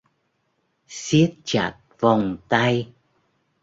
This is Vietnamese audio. Xiết chặt vòng tay